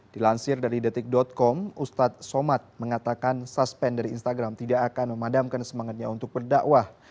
dilansir dari detik com ustadz somad mengatakan suspend dari instagram tidak akan memadamkan semangatnya untuk berdakwah